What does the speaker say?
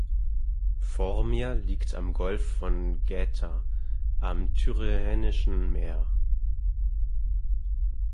Formia liegt am Golf von Gaeta, am Tyrrhenischen Meer.